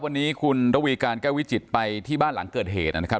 วันนี้คุณระวีการแก้ววิจิตรไปที่บ้านหลังเกิดเหตุนะครับ